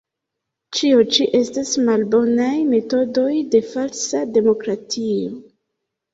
Ĉio ĉi estas malbonaj metodoj de falsa demokratio.